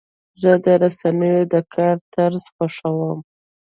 زه د رسنیو د کار طرز خوښوم.